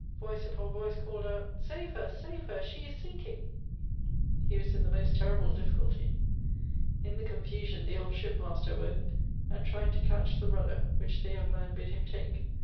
Voice upon voice called out, ' Save her, save her, she is sinking !' He was in the most terrible difficulty. In the confusion the old ship master woke, and tried to catch the rudder, which the young man bid him take.